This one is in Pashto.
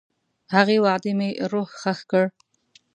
هغې وعدې مې روح ښخ کړ.